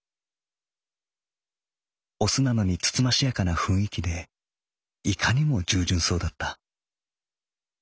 雄なのに慎ましやかな雰囲気でいかにも従順そうだった。